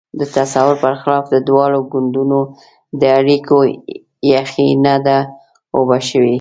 د تصور پر خلاف د دواړو ګوندونو د اړیکو یخۍ نه ده اوبه شوې.